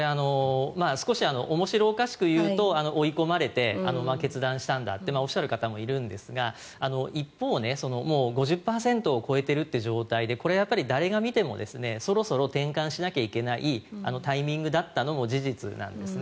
少し面白おかしく言うと追い込まれて決断したとおっしゃる方もいるんですが一方、５０％を超えているという状態でこれは誰が見てもそろそろ転換しないといけないタイミングだったのも事実なんですね。